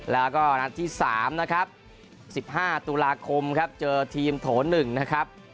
แล้วก็นัดที่๓นะครับ๑๕ตุลาคมครับเจอทีมโถ๑นะครับ